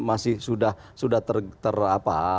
masih sudah ter apa